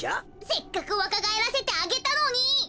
せっかくわかがえらせてあげたのに！